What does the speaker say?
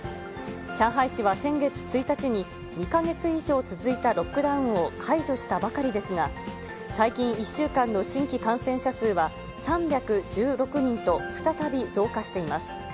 上海市は先月１日に２か月以上続いたロックダウンを解除したばかりですが、最近、１週間の新規感染者数は３１６人と再び増加しています。